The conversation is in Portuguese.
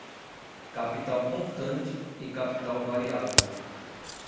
Capital constante e capital variável